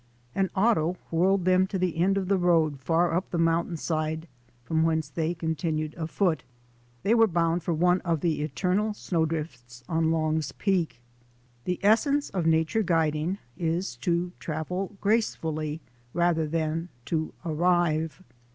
An auto whirled them to the end of the road far up the mountainside from whence they continued afoot. They were bound for one of the eternal snowdrifts on Long's Peak. The essence of nature guiding is to travel grace fully rather than to arrive.